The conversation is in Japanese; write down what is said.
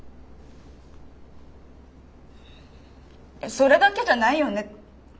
それだけじゃないよね？